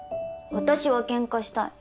私はケンカしたい。